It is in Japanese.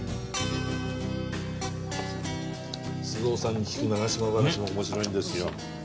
須藤さんに聞く長嶋話も面白いんですよ。